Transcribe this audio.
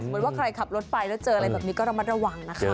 สมมติว่าใครขับรถไปแล้วเจออะไรแบบนี้ก็ระวังนะคะ